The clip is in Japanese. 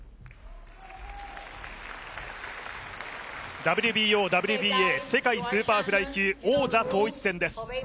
ＷＢＯ・ＷＢＡ世界スーパーフライ級王座統一戦です。